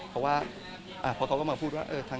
เพราะว่าพอเขาก็มาพูดว่า